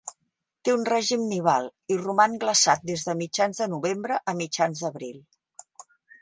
Té un règim nival i roman glaçat des de mitjans de novembre a mitjans d'abril.